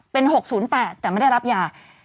เป็น๖๐๘แต่ไม่ได้รับยา